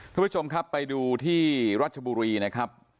ทุกผู้ชมครับไปดูที่รัชบุรีนะครับ